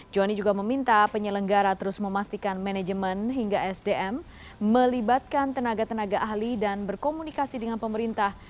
johnny juga meminta penyelenggara terus memastikan manajemen hingga sdm melibatkan tenaga tenaga ahli dan berkomunikasi dengan pemerintah